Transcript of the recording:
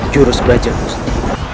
jurus belajar musti